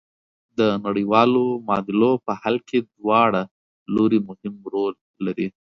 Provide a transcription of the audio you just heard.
د نړیوالو معادلو په حل کې دواړه لوري مهم رول لري.